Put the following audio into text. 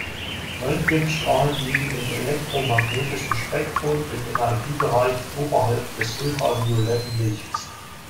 Röntgenstrahlen liegen im elektromagnetischen Spektrum im Energiebereich oberhalb des ultravioletten Lichts.